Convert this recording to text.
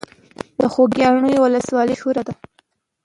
د خوږیاڼیو ولسوالۍ مشهوره ده